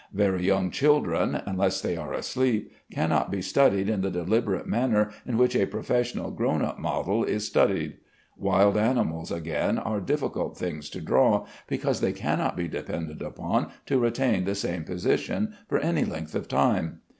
Very young children (unless they are asleep) cannot be studied in the deliberate manner in which a professional grown up model is studied. Wild animals, again, are difficult things to draw, because they cannot be depended upon to retain the same position for any length of time.